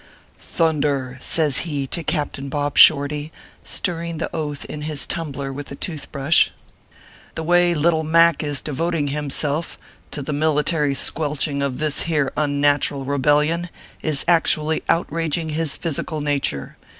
" Thunder !" says he to Captain Bob Shorty, stir ring the Oath in his tumbler with a tooth brush 204 ORPHEUS C. KERR PAPEfRS. " the way Little Mac is devoting himself to the mili tary squelching of this here unnatural rebellion, is actually outraging his physical nature.